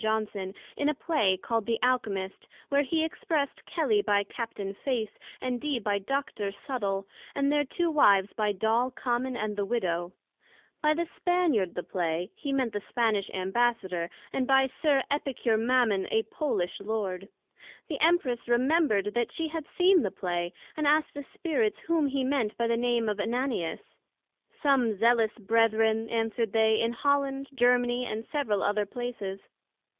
Johnson, in a Play call'd, The Alchymist, where he expressed Kelly by Capt. Face, and Dee by Dr. Subtle, and their two Wives by Doll Common, and the Widow; by the Spaniard the Play, he meant the Spanish Ambassador, and by Sir Epicure Mammon, a Polish Lord. The Empress remembred that she had seen the Play, and asked the Spirits, whom he meant by the name of Ananias? some Zealous Brethren, answered they, in Holland, Germany, and several other places.